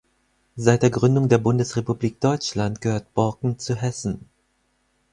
Seit der Gründung der Bundesrepublik Deutschland gehört Borken zu Hessen.